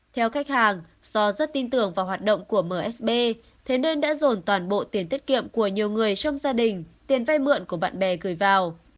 theo khách hàng do rất tin tưởng vào hoạt động của msb thế nên đã dồn toàn bộ tiền tiết kiệm của nhiều người trong gia đình tiền vay mượn của bạn bè gửi vào